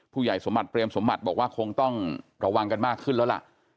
ผู้ใหญ่สมบัติเปรมสมบัติบอกว่าคงต้องระวังกันมากขึ้นแล้วล่ะ